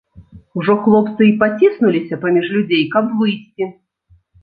Ужо хлопцы й паціснуліся паміж людзей каб выйсці.